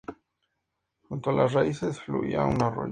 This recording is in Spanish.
Junto a las raíces fluía un arroyo.